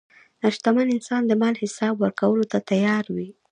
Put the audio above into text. شتمن انسان د مال حساب ورکولو ته تیار وي.